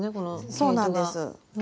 そうなんです。